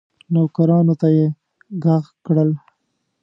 نوکرانو ته یې ږغ کړل